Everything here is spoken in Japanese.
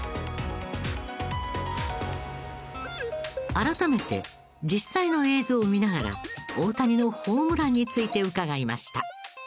改めて実際の映像を見ながら大谷のホームランについて伺いました。